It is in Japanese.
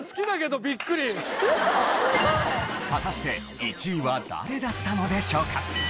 果たして１位は誰だったのでしょうか？